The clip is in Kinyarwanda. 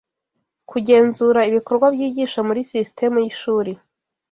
kugenzura ibikorwa byigisha muri sisitemu yishuri